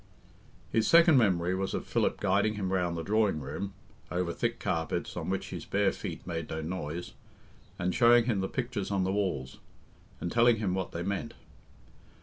His second memory was of Philip guiding him round the drawing room (over thick carpets, on which his bare feet made no noise), and showing him the pictures on the walls, and telling him what they meant.